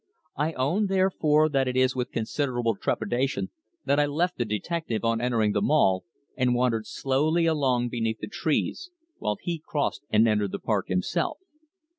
I own, therefore, that it was with considerable trepidation that I left the detective on entering the Mall and wandered slowly along beneath the trees, while he crossed and entered the park himself.